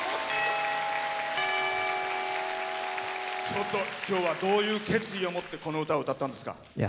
ちょっと今日はどういう決意を持ってこの歌を歌ったんですか？